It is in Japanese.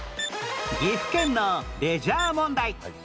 岐阜県のレジャー問題